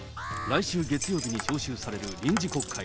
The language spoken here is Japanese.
来週月曜日に召集される臨時国会。